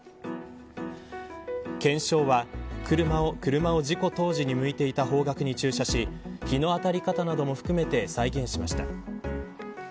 検証は、車を事故当時に向いていた方角に駐車し日の当たり方なども含めて再現しました。